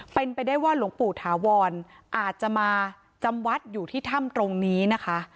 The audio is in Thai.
เป็นไปได้ว่าหลวงปู่ถาวรอาจจะมาจำวัดอยู่ที่ถ้ำตรงนี้นะคะ